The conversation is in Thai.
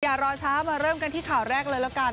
อย่ารอช้ามาเริ่มกันที่ข่าวแรกเลยแล้วกัน